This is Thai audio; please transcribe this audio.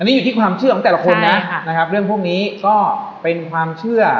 นี่อยู่ที่ความเชื่อของแต่ละคนนะนะครับเรื่องพวกนี้ก็เป็นความเชื่อ